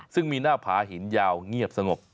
ซึ่งมีหน้าผาหินยาวเงียบสงบ